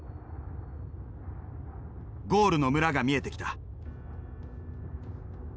ゴールの村が見えてきた。